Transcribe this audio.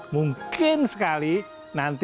mungkin sekali nanti